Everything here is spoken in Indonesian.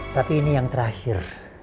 tapi ini yang terakhir